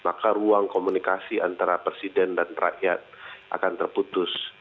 maka ruang komunikasi antara presiden dan rakyat akan terputus